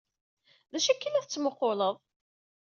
D acu akka ay la tettmuqquleḍ?